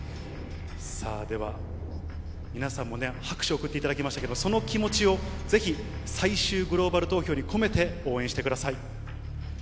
さあでは、皆さんもね、拍手送っていただきましたけど、その気持ちをぜひ最終グローバル投票に込めて応援してください。